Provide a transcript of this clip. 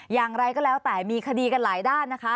อย่างไรก็แล้วแต่มีคดีกันหลายด้านนะคะ